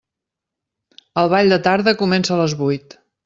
El ball de tarda comença a les vuit.